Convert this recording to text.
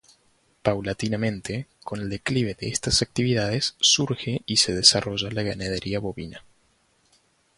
Paulatinamente, con el declive de estas actividades, surge y se desarrolla la ganadería bovina.